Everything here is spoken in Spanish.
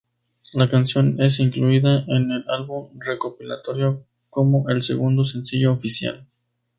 La canción es incluida en el álbum recopilatorio como el segundo sencillo oficial.